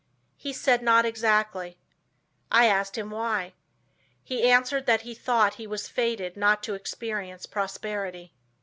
He said not exactly. I asked him why. He answered that he thought he was fated not to experience prosperity.